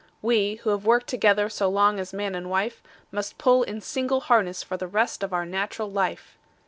We, who have worked together so long as man and wife, Must pull in single harness for the rest of our nat'ral life.